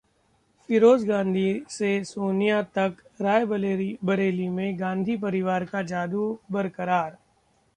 फिरोज गांधी से सोनिया तक, रायबरेली में गांधी परिवार का जादू बरकरार